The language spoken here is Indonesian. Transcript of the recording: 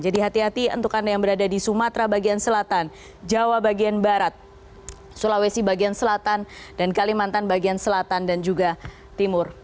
jadi hati hati untuk anda yang berada di sumatera bagian selatan jawa bagian barat sulawesi bagian selatan dan kalimantan bagian selatan dan juga timur